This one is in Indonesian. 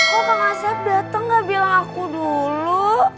kok kak asep dateng gak bilang aku dulu